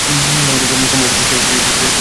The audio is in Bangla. কুমু বললে, সেইটেই তো আমার আশ্চর্য ঠেকে।